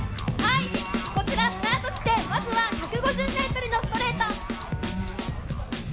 こちら、スタート地点、まずは１５０ｍ地点のストレート。